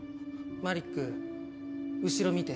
マリック後ろ見て。